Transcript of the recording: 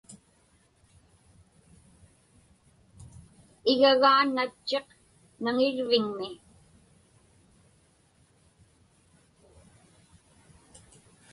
Igagaa natchiq naŋirviŋmi.